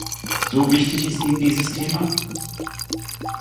So wichtig ist Ihnen dieses Thema?